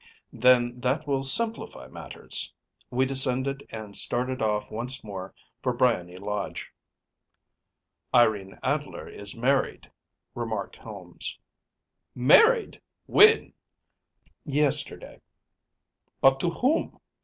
‚ÄĚ “Then that will simplify matters.‚ÄĚ We descended and started off once more for Briony Lodge. “Irene Adler is married,‚ÄĚ remarked Holmes. “Married! When?‚ÄĚ ‚ÄúYesterday.‚ÄĚ “But to whom?